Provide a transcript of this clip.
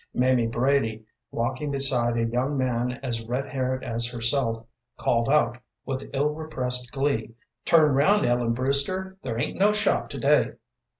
Mamie Brady, walking beside a young man as red haired as herself, called out, with ill repressed glee, "Turn round, Ellen Brewster; there ain't no shop to day."